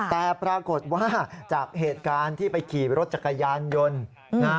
แต่ปรากฏว่าจากเหตุการณ์ที่ไปขี่รถจักรยานยนต์นะฮะ